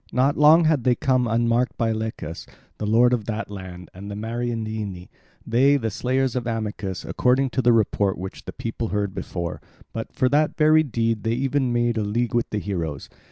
Not long had they come unmarked by Lycus, the lord of that land, and the Mariandyni—they, the slayers of Amycus, according to the report which the people heard before; but for that very deed they even made a league with the heroes.